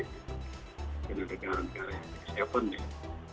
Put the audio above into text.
dengan negara negara yang di shaven ya